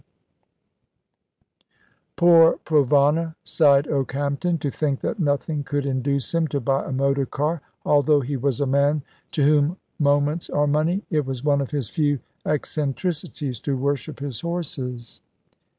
C.A.T." "Poor Provana!" sighed Okehampton. "To think that nothing could induce him to buy a motor car, although he was a man to whom moments are money. It was one of his few eccentricities to worship his horses."